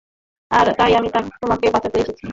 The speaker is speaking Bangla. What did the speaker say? আর তাই আমি তোমাকে বাঁচাতে এসেছি।